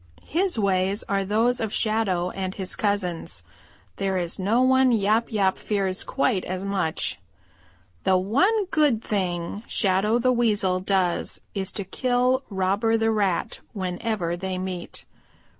His ways are those of Shadow and his cousins. There is no one Yap Yap fears quite as much. "The one good thing Shadow the Weasel does is to kill Robber the Rat whenever they meet.